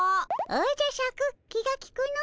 おじゃシャク気がきくの。